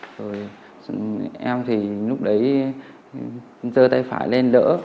rồi em thì lúc đấy dơ tay phải lên đỡ